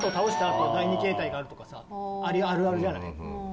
あと第２形態があるとかさあるあるじゃない？